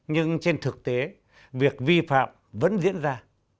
nhưng trên thực tế việc vi phạm vẫn diễn ra